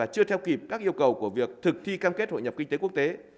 chưa theo kịp các yêu cầu của việc thực thi cam kết hội nhập kinh tế quốc tế